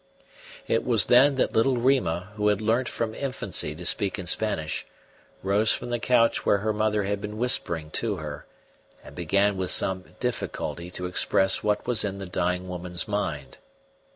It was then that little Rima, who had learnt from infancy to speak in Spanish, rose from the couch where her mother had been whispering to her, and began with some difficulty to express what was in the dying woman's mind.